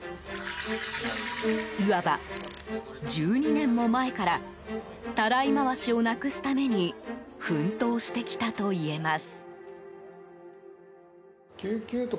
いわば、１２年も前からたらい回しをなくすために奮闘してきたといえます。